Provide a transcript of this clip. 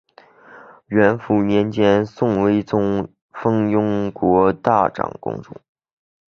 元符年间宋徽宗封雍国大长公主。